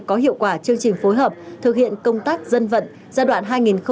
có hiệu quả chương trình phối hợp thực hiện công tác dân vận giai đoạn hai nghìn hai mươi hai hai nghìn hai mươi sáu